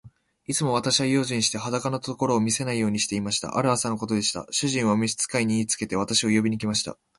いつも私は用心して、裸のところを見せないようにしていました。ある朝のことでした。主人は召使に言いつけて、私を呼びに来ました。